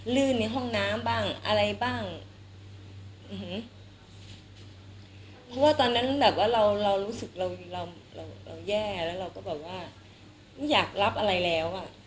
ลื่นในห้องน้ำบ้างอะไรบ้างเพราะว่าตอนนั้นแบบว่าเราเรารู้สึกเราเราแย่แล้วเราก็แบบว่าไม่อยากรับอะไรแล้วอ่ะ